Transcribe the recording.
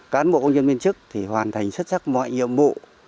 cán bộ công nhân viên chức thì hoàn thành xuất sắc mọi nhiệm vụ